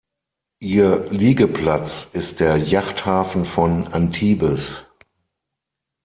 Ihr Liegeplatz ist der Yachthafen von Antibes.